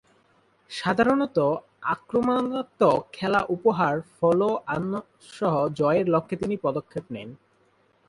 সাধারণতঃ আক্রমণাত্মক খেলা উপহার, ফলো-অনসহ জয়ের লক্ষ্যে তিনি এ পদক্ষেপ নেন।